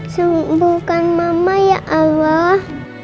sembuhkan mama ya allah